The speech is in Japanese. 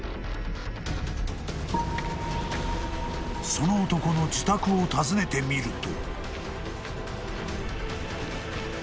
［その男の自宅を訪ねてみると］